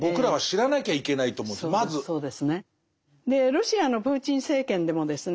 ロシアのプーチン政権でもですね